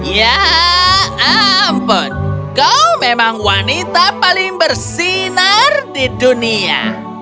ya ampun kau memang wanita paling bersinar di dunia